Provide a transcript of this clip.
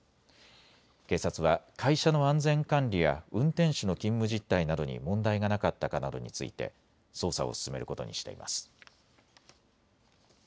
警察は会社の安全管理や運転手の勤務実態などに問題がなかったかなどについて捜査を進めることにしています。